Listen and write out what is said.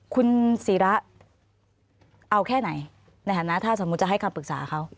คุณศิระเอาแค่ไหนในฐานะถ้าสมมุติจะให้คำปรึกษาเขา